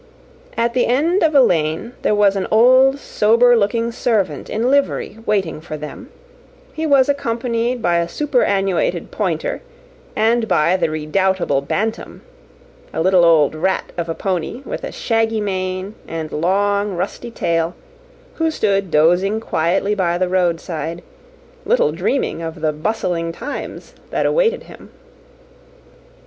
At the end of a lane there was an old sober looking servant in livery waiting for them: he was accompanied by a superannuated pointer, and by the redoubtable Bantam, a little old rat of a pony, with a shaggy mane and long, rusty tail, who stood dozing quietly by the roadside, little dreaming of the bustling times that awaited him.